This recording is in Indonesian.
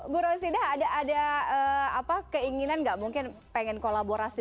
bu rosida ada apa keinginan gak mungkin pengen kolaborasi